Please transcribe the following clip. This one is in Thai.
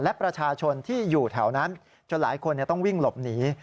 และประชาชนที่อยู่แถวนั้นจนหลายคนต้องวิ่งหลบหนี